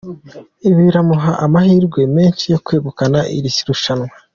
Ibi biramuha amahirwe menshi yo kwegukana iri rushanwa.